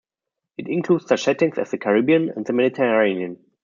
It includes such settings as the Caribbean and the Mediterranean.